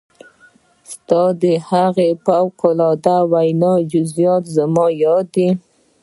ستاسې د هغې فوق العاده وينا جزئيات زما ياد دي.